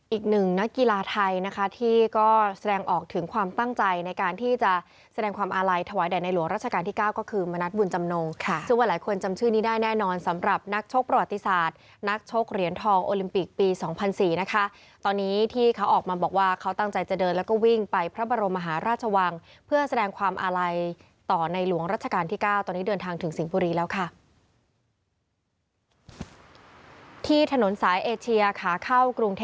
อีกหนึ่งนักกีฬาไทยนะคะที่ก็แสดงออกถึงความตั้งใจในการที่จะแสดงความอาลัยถวายแด่ในหลวงรัชกาลที่๙ก็คือมณัฐบุญจำนงค่ะซึ่งว่าหลายคนจำชื่อนี้ได้แน่นอนสำหรับนักโชคประวัติศาสตร์นักโชคเหรียญทองโอลิมปีกปี๒๐๐๔นะคะตอนนี้ที่เขาออกมาบอกว่าเขาตั้งใจจะเดินแล้วก็วิ่งไปพระบรมหาราชวัง